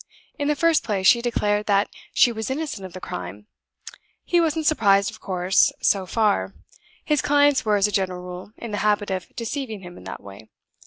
In the first place she declared that she was innocent of the crime. He wasn't surprised, of course, so far; his clients were, as a general rule, in the habit of deceiving him in that way.